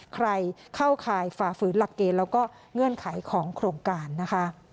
ใครเข้าข่ายฝ่าฝืนหลักเกณฑ์แล้วก็เงื่อนไขของโครงการนะคะ